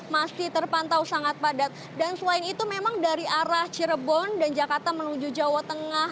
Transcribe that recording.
masih terpantau sangat padat dan selain itu memang dari arah cirebon dan jakarta menuju jawa tengah